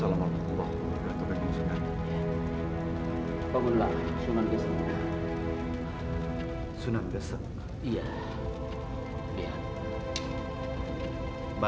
ambil segera ke perawanannya